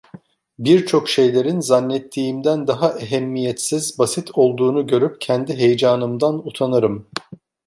Birçok şeylerin zannettiğimden daha ehemmiyetsiz, basit olduğunu görüp kendi heyecanımdan utanırım.